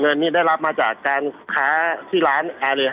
เงินนี้ได้รับมาจากการค้าที่ร้านแอร์เรีย